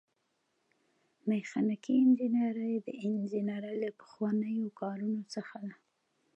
میخانیکي انجنیری د انجنیری له پخوانیو کارونو څخه ده.